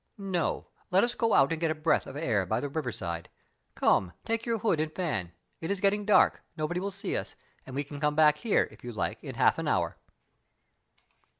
"No; let us go out and get a breath of air by the river side. Come! take your hood and fan it is getting dark nobody will see us, and we can come back here, if you like, in half an hour."